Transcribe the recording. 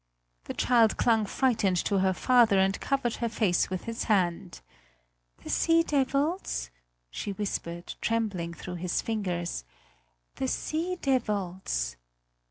The child clung frightened to her father and covered her face with his hand. "The sea devils!" she whispered, trembling, through his fingers; "the sea devils!"